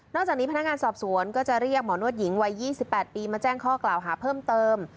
จากนี้พนักงานสอบสวนก็จะเรียกหมอนวดหญิงวัย๒๘ปีมาแจ้งข้อกล่าวหาเพิ่มเติม